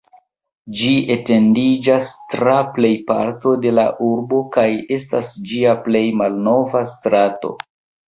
Ĝi etendiĝas tra plejparto de la urbo kaj estas ĝia plej malnova strato.